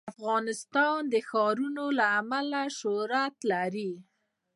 افغانستان د ښارونه له امله شهرت لري.